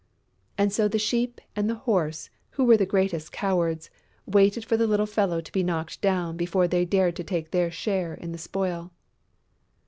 And so the Sheep and the Horse, who were the greatest cowards, waited for the little fellow to be knocked down before they dared take their share in the spoil.